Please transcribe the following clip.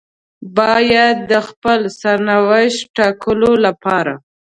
بايد د خپل سرنوشت ټاکلو لپاره.